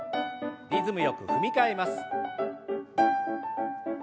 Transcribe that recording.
リズムよく踏み替えます。